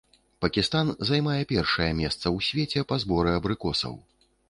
Пакістан займае першае месца ў свеце па зборы абрыкосаў.